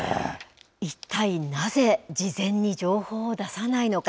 一体なぜ事前に情報を出さないのか。